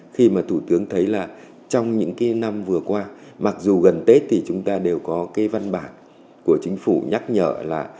khi mà thủ tướng thấy là trong những cái năm vừa qua mặc dù gần tết thì chúng ta đều có cái văn bản của chính phủ nhắc nhở là